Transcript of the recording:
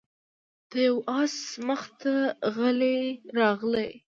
د یو آس مخې ته راغلی و،